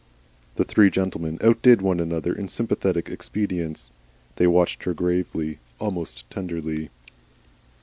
The three gentlemen outdid one another in sympathetic expedients; they watched her gravely almost tenderly.